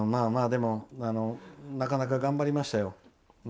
なかなか頑張りましたよ。